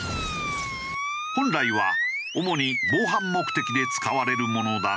本来は主に防犯目的で使われるものだが。